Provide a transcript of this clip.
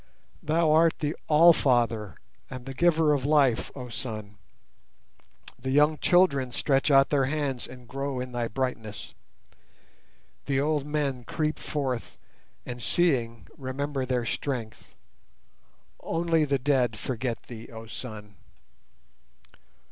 Thou art the All Father and the giver of life, oh Sun. The young children stretch out their hands and grow in thy brightness; The old men creep forth and seeing remember their strength. Only the dead forget Thee, oh Sun!